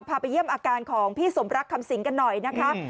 ไปเยี่ยมอาการของพี่สมรักคำสิงกันหน่อยนะคะ